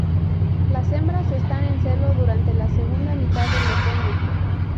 Las hembras están en celo durante la segunda mitad del otoño.